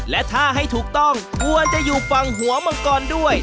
และถ้าให้ถูกต้องควรจะอยู่ฝั่งหัวมังกรด้วย